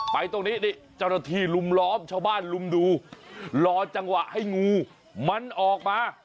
ตรงนี้นี่เจ้าหน้าที่ลุมล้อมชาวบ้านลุมดูรอจังหวะให้งูมันออกมา